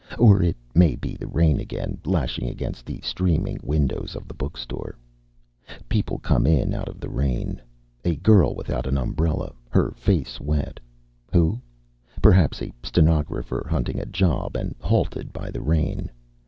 Or it may be the rain again lashing against the streaming windows of the book store. People come in out of the rain. A girl without an umbrella, her face wet. Who? Perhaps a stenographer hunting a job and halted by the rain.